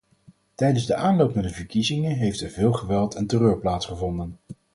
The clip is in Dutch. Tijdens de aanloop naar de verkiezingen heeft er veel geweld en terreur plaatsgevonden.